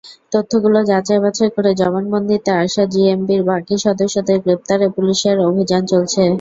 তথ্যগুলো যাচাই-বাছাই করে জবানবন্দিতে আসা জেএমবির বাকি সদস্যদের গ্রেপ্তারে পুলিশের অভিযান চলছে।